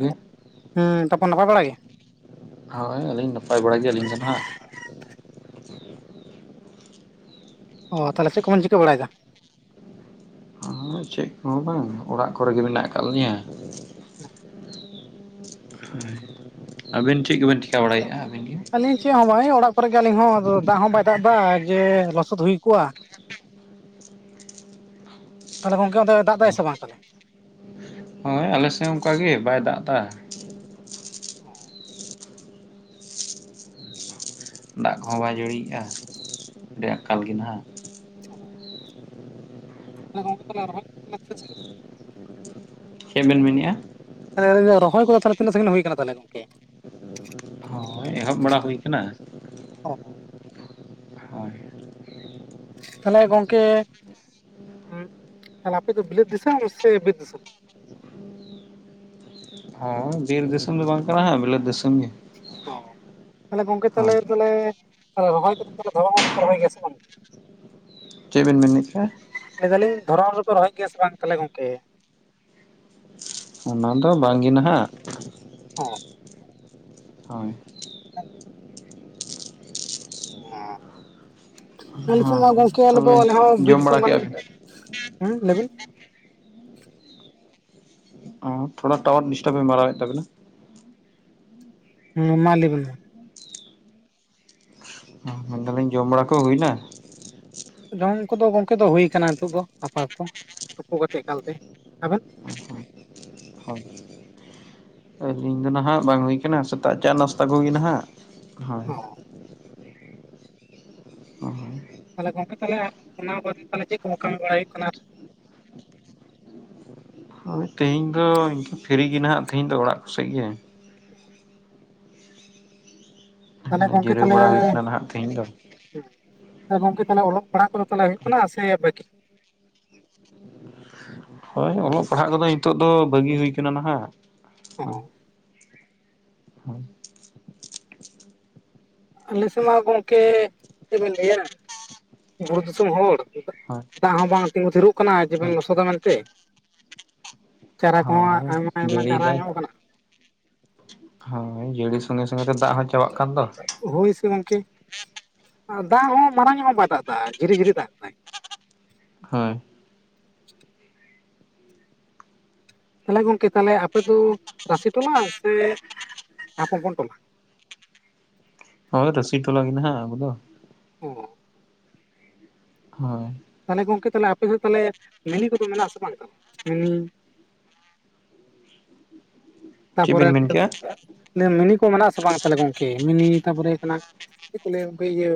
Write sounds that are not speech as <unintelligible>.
ᱜᱮ ᱦᱮᱸ ᱛᱟᱨᱯᱚᱨ ᱱᱟᱯᱟᱭ ᱵᱟᱲᱟ ᱜᱮ? ᱦᱳᱭ ᱟᱹᱞᱤᱧ ᱱᱟᱯᱟᱭ ᱵᱟᱲᱟ ᱜᱮᱭᱟ ᱟᱹᱞᱤᱧ ᱫᱚ ᱱᱟᱦᱟᱜ ᱾ ᱚ ᱛᱟᱦᱚᱞ ᱪᱮᱫ ᱠᱚᱵᱚᱱ ᱪᱤᱠᱟᱹ ᱵᱟᱲᱟᱭᱫᱟ? ᱚ ᱪᱮᱫ ᱠᱚᱦᱚ ᱵᱟᱝ ᱚᱲᱟᱜ ᱠᱚᱨᱮ ᱜᱮ ᱢᱮᱱᱟᱜ ᱟᱠᱟᱫ ᱞᱤᱧᱟ ᱾ ᱟᱹᱵᱤᱱ ᱪᱮᱫ ᱠᱚᱵᱮᱱ ᱪᱤᱠᱟ ᱵᱟᱲᱟᱭᱮᱫᱼᱟ ᱟᱹᱵᱤᱱ ᱜᱮ ᱟᱞᱤᱧ ᱪᱮᱫ ᱦᱚᱸ ᱵᱟᱝᱟᱭ ᱚᱲᱟᱜ ᱠᱚᱨᱮ ᱜᱮ ᱟᱞᱤᱧ ᱦᱚᱸ ᱫᱟᱜ ᱦᱚᱸ ᱵᱟᱭ ᱫᱟᱜ ᱮᱫᱟ ᱡᱮ ᱞᱚᱥᱚᱫ ᱦᱩᱭ ᱠᱚᱜᱼᱟ᱾ ᱛᱟᱞᱦᱮ ᱜᱚᱝᱠᱮ ᱚᱱᱛᱮ ᱫᱟᱜ ᱫᱟᱭ ᱥᱮ ᱵᱟᱝ ᱛᱟᱞᱦᱮ? ᱦᱳᱭ ᱟᱞᱮᱥᱮᱫ ᱦᱚᱸ ᱚᱱᱠᱟᱜ ᱜᱮ ᱵᱟᱭ ᱫᱟᱜ ᱮᱫᱟ, ᱚ ᱫᱟᱜ ᱠᱚᱦᱚᱸ ᱵᱟᱭ ᱡᱟᱹᱲᱤᱭᱮᱜᱼᱟ ᱟᱰᱤ ᱠᱟᱞ ᱜᱮ ᱱᱟᱦᱟᱜ ᱾ ᱚ ᱛᱟᱦᱚᱞᱮ ᱜᱚᱝᱠᱮ ᱛᱟᱦᱚᱞᱮ ᱨᱚᱦᱚᱭ <unintelligible> ᱪᱮᱫ ᱵᱮᱱ ᱢᱮᱱᱮᱫᱼᱟ? ᱛᱟᱞᱦᱮ ᱞᱟᱹᱭ ᱫᱟᱹᱧ ᱨᱚᱦᱚᱭ ᱠᱚᱫᱚ ᱛᱟᱞᱦᱮ ᱛᱤᱱᱟᱹᱜ ᱥᱟᱸᱜᱤᱧ ᱦᱩᱭ ᱠᱟᱱᱟ ᱛᱟᱞᱦᱮ ᱜᱚᱝᱠᱮ? ᱦᱳᱭ ᱮᱦᱚᱵ ᱵᱟᱲᱟ ᱦᱩᱭ ᱠᱟᱱᱟ᱾ ᱚ ᱛᱟᱦᱚᱞᱮ ᱜᱚᱝᱠᱮ ᱩᱸᱜ ᱛᱟᱦᱚᱞᱮ ᱟᱯᱮ ᱫᱚ ᱵᱤᱞᱟᱹᱛ ᱫᱤᱥᱟᱹᱢ ᱥᱮ ᱵᱤᱨ ᱫᱤᱥᱟᱹᱢ? ᱦᱚ ᱵᱤᱨ ᱫᱤᱥᱚᱢ ᱫᱚ ᱵᱟᱝ ᱠᱟᱱᱟ ᱦᱟᱜ ᱵᱤᱞᱟᱹᱛ ᱫᱤᱥᱚᱢ ᱜᱮ᱾ ᱚ ᱛᱟᱞᱦᱮ ᱜᱚᱝᱠᱮ ᱛᱟᱞᱦᱮ, ᱦᱳᱭ ᱛᱟᱞᱦᱮ ᱨᱚᱦᱚᱭ ᱠᱚᱫᱚ ᱫᱷᱚᱨᱚᱱ ᱨᱮᱫᱚ ᱯᱮ ᱨᱚᱦᱚᱭ ᱜᱮᱭᱟ ᱥᱮ ᱵᱟᱝ? ᱪᱮᱫ ᱵᱤᱱ ᱢᱮᱱ ᱠᱮᱜ-ᱟ? ᱞᱟᱹᱭ ᱫᱟᱹᱞᱤᱧ ᱫᱷᱚᱨᱚᱢ ᱨᱮ ᱫᱚ ᱯᱮ ᱨᱚᱦᱚᱭ ᱜᱮᱭᱟ ᱥᱮ ᱵᱟᱝ ᱛᱟᱞᱦᱮ ᱜᱚᱝᱠᱮ? ᱚᱱᱟ ᱫᱚ ᱵᱟᱝ ᱜᱮ ᱱᱟᱦᱟᱜ᱾ <unintelligible> ᱦᱳᱭ ᱾ ᱱᱤᱛ ᱢᱟ ᱟᱞᱮ ᱦᱚᱸ ᱢᱟ ᱜᱚᱝᱠᱮ ᱟᱞᱮ ᱫᱚ ᱛᱚᱵᱮ ᱟᱞᱮ ᱦᱚᱸ ᱵᱤᱨ ᱡᱚᱢ ᱵᱟᱲᱟ ᱫᱤᱥᱚᱢ᱾ ᱠᱮᱫᱼᱟ ᱵᱤᱱ ᱦᱮᱸ ᱞᱟᱹᱭ ᱵᱤᱱ ᱚ ᱛᱷᱚᱲᱟ ᱴᱟᱣᱟᱨ ᱰᱤᱥᱴᱟᱵᱮ ᱢᱟᱨᱟᱣᱮᱫ ᱛᱟᱵᱮᱱᱟ᱾ ᱦᱩᱸ ᱢᱟ ᱞᱟᱹᱭ ᱵᱤᱱ ᱦᱩᱸ ᱢᱮᱱ ᱫᱟᱹᱞᱤᱧ ᱡᱚᱢ ᱵᱟᱲᱟ ᱠᱚ ᱦᱩᱭᱱᱟ? ᱡᱚᱢ ᱠᱚᱫᱚ ᱜᱚᱝᱠᱮ ᱫᱚ ᱦᱩᱭᱩ ᱠᱟᱱᱟ ᱱᱤᱛᱳᱜ ᱫᱚ ᱟᱯᱟᱛᱚ ᱛᱩᱯᱩ ᱠᱟᱛᱮᱫ ᱮᱠᱟᱞ ᱛᱮ᱾ ᱟᱵᱮᱱ? ᱛᱮᱦᱮᱧ ᱫᱚ ᱱᱟᱦᱟᱜ ᱵᱟᱝ ᱦᱩᱭ ᱠᱟᱱᱟ ᱥᱮᱛᱟᱜ ᱪᱟ ᱱᱟᱥᱛᱟ ᱠᱚᱜᱮ ᱱᱟᱦᱟᱜ ᱦᱳᱭ᱾ ᱚ <unintelligible> ᱛᱟᱦᱞᱮ ᱜᱚᱝᱠᱮ ᱛᱟᱦᱞᱮ ᱚᱱᱟ ᱠᱚ ᱵᱟᱛ ᱠᱟᱛᱮᱫ ᱪᱮᱫ ᱠᱚ ᱠᱟᱹᱢᱤ ᱵᱟᱲᱟᱭ ᱦᱩᱭᱩᱜ ᱠᱟᱱᱟ᱾ ᱜᱚᱝᱠᱮ ᱛᱮᱦᱮᱧ ᱫᱚ ᱯᱷᱤᱨᱤ ᱜᱮ ᱱᱟᱦᱟᱜ ᱛᱮᱦᱮᱧ ᱫᱚ ᱚᱲᱟᱜ ᱠᱚ ᱥᱮᱫ ᱜᱮ᱾ <inaudible> ᱛᱟᱦᱚᱞᱮ ᱜᱚᱝᱠᱮ ᱡᱤᱨᱟᱹᱣ ᱵᱟᱲᱟ ᱦᱩᱭᱩᱜ ᱠᱟᱱᱟ ᱱᱟᱦᱟᱜ ᱛᱮᱦᱮᱧ ᱫᱚ ᱾ ᱛᱟᱦᱚᱞᱮ ᱜᱚᱝᱠᱮ ᱛᱟᱦᱚᱞᱮ ᱚᱞᱚᱜ ᱯᱟᱲᱦᱟᱜ ᱠᱚᱫᱚ ᱛᱟᱦᱚᱞᱮ ᱦᱩᱭᱩᱜ ᱠᱟᱱᱟ ᱥᱮ ᱵᱟᱹᱠᱤ ᱦᱳᱭ ᱚᱞᱚᱜ ᱯᱟᱲᱦᱟᱜ ᱠᱚᱫᱚ ᱱᱤᱛᱚᱜ ᱫᱚ ᱵᱟᱹᱜᱤ ᱦᱩᱭ ᱠᱟᱱᱟ ᱱᱟᱦᱟᱜ᱾ ᱦᱳᱭ <inaudible> ᱦᱳᱭ ᱟᱞᱮ ᱥᱮᱫ ᱢᱟ ᱜᱚᱝᱠᱮ ᱪᱮᱫ ᱵᱮᱱ ᱞᱟᱹᱭᱟ, ᱵᱩᱨᱩ ᱫᱤᱥᱥᱹᱢ ᱦᱚᱲ ᱫᱟᱜ ᱦᱚᱸ ᱵᱟᱝ ᱛᱤᱸᱜᱩ ᱛᱷᱤᱨᱚᱜ ᱠᱟᱱᱟ ᱦᱳᱭ ᱡᱮᱵᱚᱱ ᱞᱚᱥᱚᱫᱟ ᱢᱮᱱᱛᱮ, ᱪᱟᱨᱟ ᱠᱚᱦᱚᱸ ᱦᱳᱭ ᱟᱭᱢᱟ ᱟᱭᱢᱟ ᱜᱟᱰᱦᱟ ᱡᱟᱹᱲᱤᱭᱫᱟᱭ ᱧᱚᱜ ᱠᱟᱱᱟ᱾ ᱦᱳᱭ ᱡᱟᱹᱲᱤ ᱥᱚᱜᱮ ᱥᱚᱜᱮ ᱛᱮ ᱫᱟᱜ ᱦᱚᱸ᱾ ᱪᱟᱵᱟᱜ ᱠᱟᱱ ᱫᱚ <unintelligible> ᱦᱳᱭ ᱥᱮ ᱜᱚᱢᱠᱮ ᱫᱟᱜ ᱦᱚᱸ ᱢᱟᱨᱟᱝ ᱧᱚᱜ ᱦᱚᱸ ᱵᱟᱭ ᱫᱟᱜᱼᱟ ᱡᱷᱤᱨᱤ ᱡᱷᱤᱨᱤ ᱫᱟᱜ ᱫᱟᱭ᱾ ᱦᱳᱭ᱾ ᱛᱟᱦᱚᱞᱮ ᱜᱚᱝᱠᱮ ᱛᱟᱦᱞᱮ ᱟᱯᱮ ᱫᱚ ᱨᱟᱥᱤ ᱴᱚᱞᱟ ᱥᱮ ᱟᱯᱚᱯᱚᱱ ᱴᱚᱞᱟ? ᱦᱳᱭ ᱨᱟᱹᱥᱤ ᱴᱚᱞᱟ ᱢᱮᱱᱟᱜ-ᱟ ᱟᱞᱮ ᱫᱟ᱾ ᱠᱚ ᱦᱚᱸ᱾ ᱦᱳᱭ ᱛᱟᱦᱚᱞᱮ ᱜᱚᱝᱠᱮ ᱛᱟᱦᱮ ᱟᱯᱮ ᱫᱚ ᱛᱟᱦᱚᱞᱮ ᱢᱤᱱᱤ ᱠᱚᱫᱚ ᱢᱮᱱᱟᱜ-ᱟ ᱥᱮ ᱵᱟᱝᱟ ᱢᱤᱱᱤ᱾ <inaudible> ᱛᱟ ᱯᱚᱨᱮ ᱵᱤᱱ ᱢᱮᱱ ᱠᱮᱜᱼᱟ ᱢᱤᱱᱤ ᱠᱚ ᱢᱮᱱᱟᱜ ᱟᱥᱮ ᱵᱟᱝ ᱛᱟᱦᱚᱞᱮ ᱜᱚᱝᱠᱮ ᱢᱤᱱᱤ ᱛᱟᱨᱯᱚᱨᱮ ᱦᱩᱭᱩᱜ ᱠᱟᱱᱟ ᱪᱮᱜ ᱠᱚ ᱞᱟᱹᱭᱟ ᱦᱚᱜᱚᱭ ᱤᱭᱟᱹ